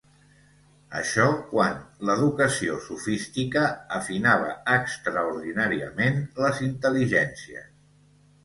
Això, quan l'educació sofística afinava extraordinàriament les intel·ligències